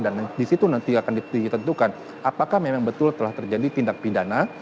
dan di situ nanti akan ditentukan apakah memang betul telah terjadi tindak pidana